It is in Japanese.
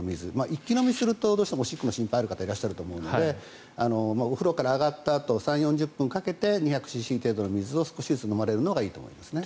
一気飲みするとおしっこの心配がある方いると思うのでお風呂から上がったあと３０４０分かけて２００ｃｃ程度の水を少しずつ飲まれるのがいいと思いますね。